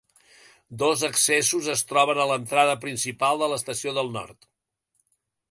Dos accessos es troben a l'entrada principal de l'Estació del Nord.